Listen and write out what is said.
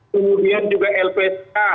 kemudian juga lpta